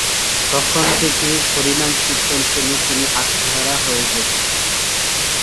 তখন থেকেই হরিনামকীর্তন শুনে তিনি আত্মহারা হয়ে যেতেন।